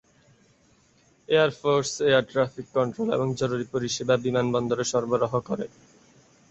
Air force air traffic control এবং জরুরী পরিষেবা বিমানবন্দরে সরবরাহ করে।